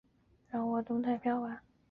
叙西厄。